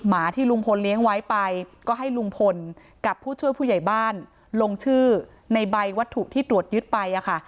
หมาที่ลุงพลเลี้ยงไว้ไปก็ให้ลุงพลกับผู้ช่วยผู้ใหญ่บ้านลงชื่อในใบวัตถุที่ตรวจยึดไปอะค่ะ